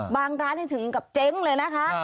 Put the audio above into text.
บางร้านนี่ถึงกับเจ๊งเลยนะคะ